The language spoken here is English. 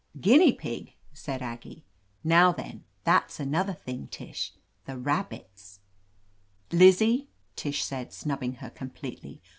"Guinea pig," said Aggie. "Now then, that's another thing, Tish. The rabbits —" "Lizzie," Tish said, snubbing her com pletely.